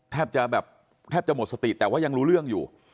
แทบจะแบบแทบจะหมดสติแต่ว่ายังรู้เรื่องอยู่